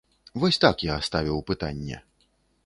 Вось так я ставіў пытанне.